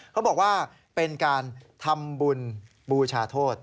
เขาบอกว่าเป็นการทำบุญบูชาโทษ